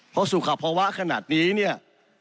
เพราะสุขภาวะขนาดนี้เนี่ย